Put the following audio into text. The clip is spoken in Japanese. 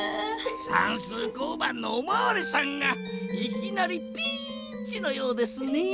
さんすう交番のおまわりさんがいきなりピーンチのようですねぇ。